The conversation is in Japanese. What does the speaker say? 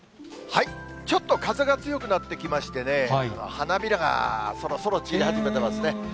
ちょっと風が強くなってきましてね、花びらがそろそろ散り始めてますね。